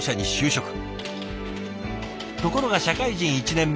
ところが社会人１年目